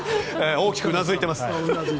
大きくうなずいています。